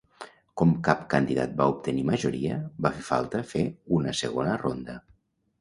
Com cap candidat va obtenir majoria, va fer falta fer una segona ronda.